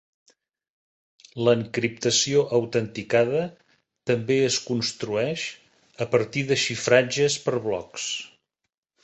L'encriptació autenticada també es construeix a partir de xifratges per blocs.